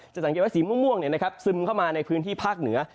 สังเกตว่าสีม่วงซึมเข้ามาในพื้นที่ภาคเหนือ